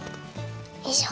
よいしょ！